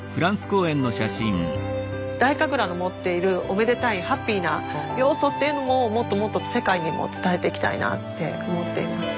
太神楽の持っているおめでたいハッピーな要素っていうのももっともっと世界にも伝えていきたいなって思っています。